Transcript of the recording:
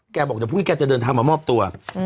แกบอกว่าพรุ่งนี้แกจะเดินทางมามอบตัว